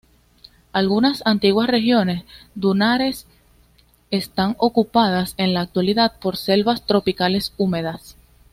Algunas antiguas regiones dunares están ocupadas en la actualidad por selvas tropicales húmedas.